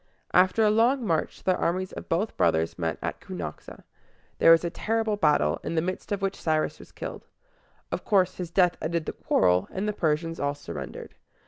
After a long march, the armies of both brothers met at Cu nax´a; and there was a terrible battle, in the midst of which Cyrus was killed. Of course, his death ended the quarrel, and the Persians all surrendered.